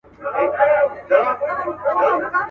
د تورو زلفو له ښامار سره مي نه لګیږي.